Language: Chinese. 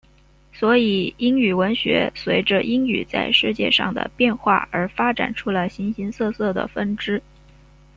所以英语文学随着英语在世界上的变化而发展出了形形色色的分支。